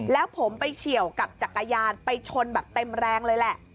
แล้วผมไปเฉียวกับจักรยานไปชนแบบเต็มแรงเลยแหละ